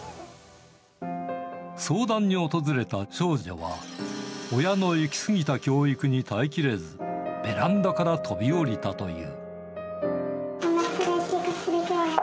相談に訪れた長女は、親の行き過ぎた教育に耐えきれず、ベランダから飛び降りたという。